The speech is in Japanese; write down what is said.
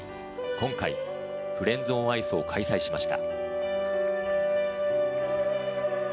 今回フレンズオンアイスを開催しました。